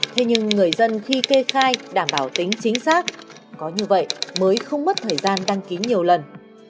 thế nhưng người dân khi kê khai đảm bảo tính chính xác có như vậy mới không mất thời gian đăng ký nhiều lần